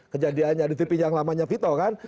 kejadiannya di tv yang lamanya vito kan